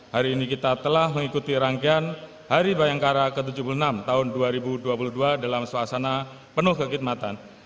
hari ini kita telah mengikuti rangkaian hari bayangkara ke tujuh puluh enam tahun dua ribu dua puluh dua dalam suasana penuh kekhidmatan